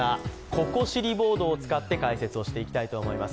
ここ知りボードを使って解説をしていきたいと思います。